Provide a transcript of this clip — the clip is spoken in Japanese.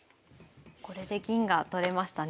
これで銀が取れましたね。